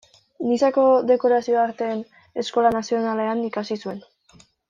Nizako Dekorazio Arteen Eskola Nazionalean ikasi zuen.